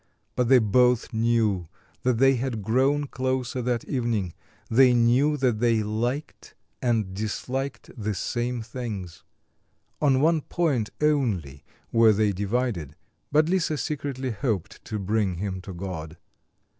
But they both knew that they had grown closer that evening, they knew that they liked and disliked the same things. On one point only were they divided; but Lisa secretly hoped to bring him to God.